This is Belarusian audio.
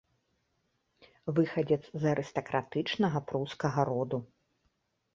Выхадзец з арыстакратычнага прускага роду.